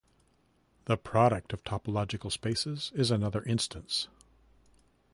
The product of topological spaces is another instance.